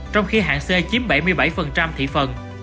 trong khi hạng c chiếm bảy mươi bảy thị phần